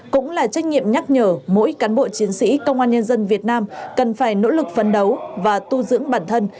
cũng là trách nhiệm nhắc nhở mỗi cán bộ chiến sĩ công an nhân dân việt nam cần phải nỗ lực phấn đấu và tu dưỡng bản thân